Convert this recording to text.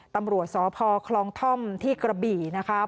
ตำรวจสพคลองท่อมที่กระบี่นะคะ